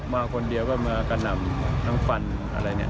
มาคนเดียวก็มากระหน่ำทั้งฟันอะไรเนี่ย